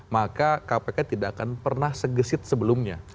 maka kpk tidak akan pernah segesit sebelumnya